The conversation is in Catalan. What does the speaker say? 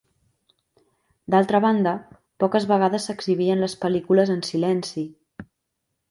D'altra banda, poques vegades s'exhibien les pel·lícules en silenci.